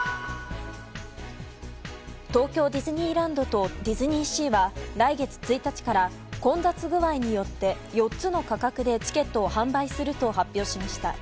東京ディズニーランドとディズニーシーは来月１日から混雑具合によって４つの価格でチケットを販売すると発表しました。